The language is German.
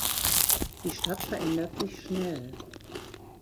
Die Stadt verändert sich schnell.